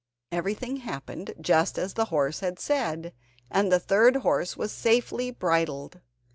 Everything happened just as the horse had said, and the third horse was safely bridled.